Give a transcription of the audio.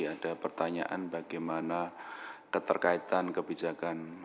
ada pertanyaan bagaimana keterkaitan kebijakan